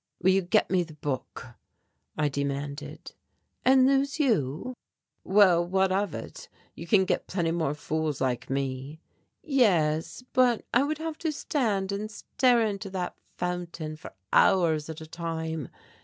"Will you get me the book?" I demanded. "And lose you?" "Well, what of it? You can get plenty more fools like me." "Yes, but I would have to stand and stare into that fountain for hours at a time.